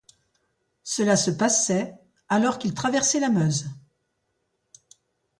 Cela se passait alors qu’ils traversaient la Meuse.